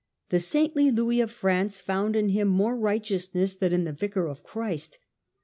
The saintly Louis of France found in him more righteousness than in the Vicar of Christ.